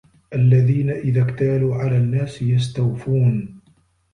الَّذينَ إِذَا اكتالوا عَلَى النّاسِ يَستَوفونَ